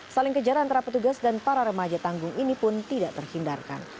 saling kejar antara petugas dan para remaja tanggung ini pun tidak terhindarkan